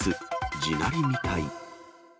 地鳴りみたい。